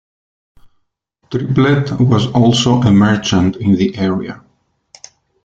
Triplett was also a merchant in the area.